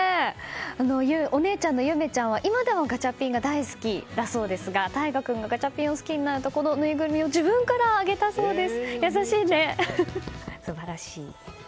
お姉ちゃんの優芽ちゃんは今でもガチャピンが大好きだそうですが大芽君がガチャピンを好きになるとこのぬいぐるみを自分からあげたそうです。